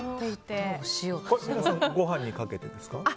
ご飯にかけてですか？